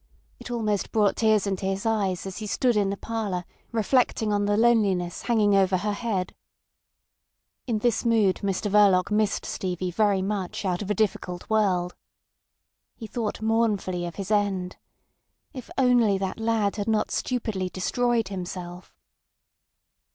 It almost brought tears into his eyes as he stood in the parlour reflecting on the loneliness hanging over her head. In this mood Mr Verloc missed Stevie very much out of a difficult world. He thought mournfully of his end. If only that lad had not stupidly destroyed himself!